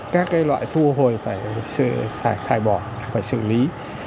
các loại thu hồi phải thải bỏ phải xử lý